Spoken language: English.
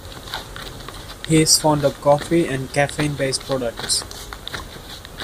He is fond of coffee and caffeine-based products.